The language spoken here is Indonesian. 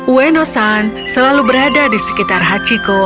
ueno san selalu berada di sekitar hachiko